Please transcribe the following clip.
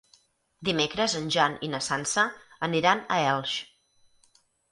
Dimecres en Jan i na Sança aniran a Elx.